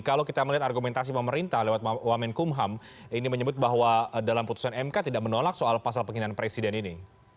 kalau kita melihat argumentasi pemerintah lewat wamenkumham ini menyebut bahwa dalam putusan mk tidak menolak soal pasal penghinaan presiden ini